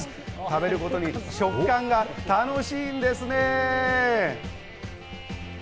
食べるごとに食感が楽しいんですね！